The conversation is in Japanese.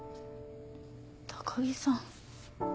高木さん。